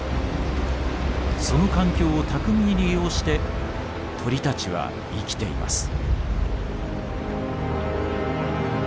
その環境を巧みに利用して鳥たちは生きています。